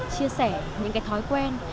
chia sẻ những cái thói quen